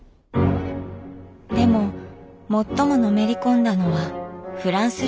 でも最ものめり込んだのはフランス料理でした。